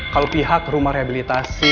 kalau pihak rumah rehabilitasi